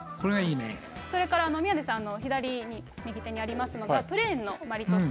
それから宮根さんの左、右手にありますのが、プレーンのマリトッツォ。